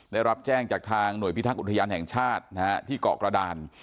ได้รับแจ้งจากทางหน่วยพิทักษ์อุทยานแห่งชาติที่เกาะกระดาน